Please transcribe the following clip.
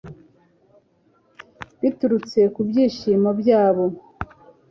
biturutse ku byishimo byabo